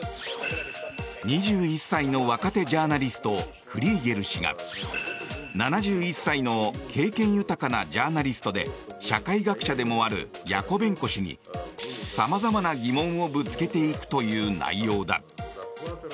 ２１歳の若手ジャーナリストクリーゲル氏が７１歳の経験豊かなジャーナリストで社会学者でもあるヤコベンコ氏に様々な疑問をぶつけていくという内容だ。